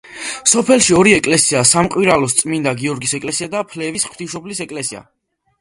სოფელში ორი ეკლესიაა: სამყვირალოს წმინდა გიორგის ეკლესია და ფლევის ღვთისმშობლის ეკლესია.